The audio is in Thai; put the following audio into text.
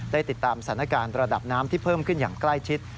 ติดตามสถานการณ์ระดับน้ำที่เพิ่มขึ้นอย่างใกล้ชิด